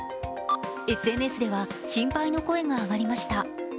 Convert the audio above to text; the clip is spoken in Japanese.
ＳＮＳでは心配の声が上がりました。